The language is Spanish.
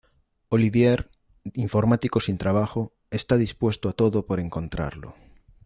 Olivier, informático sin trabajo, está dispuesto a todo por encontrarlo.